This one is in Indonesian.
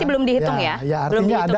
belum dihitung ya